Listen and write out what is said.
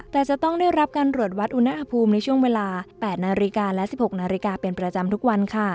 แต่จะต้องได้รับการตรวจวัดอุณหภูมิในช่วงเวลา๘นาฬิกาและ๑๖นาฬิกาเป็นประจำทุกวันค่ะ